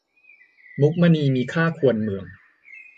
มุกมณีมีค่าควรเมือง